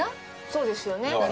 そうですよね。